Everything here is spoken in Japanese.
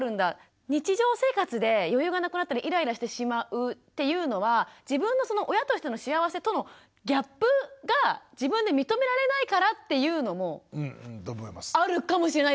日常生活で余裕がなくなったらイライラしてしまうっていうのは自分のその親としての幸せとのギャップが自分で認められないからっていうのもあるかもしれないですね。